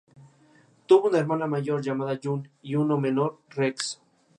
Vijayanagara, la capital, fue tomada y saqueada inmediatamente.